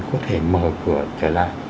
có thể mở cửa trở lại